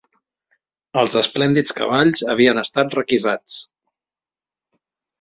Els esplèndids cavalls havien estat requisats